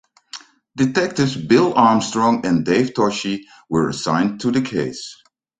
Detectives Bill Armstrong and Dave Toschi were assigned to the case.